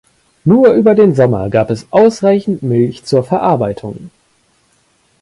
Nur über den Sommer gab es ausreichend Milch zur Verarbeitung.